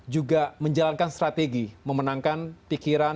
juga menjalankan strategi memenangkan pikiran